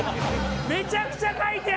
めちゃくちゃ描いてある！